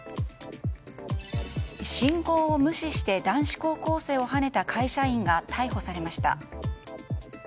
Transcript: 信号を無視して男子高校生をはねた会社員が逮捕されました。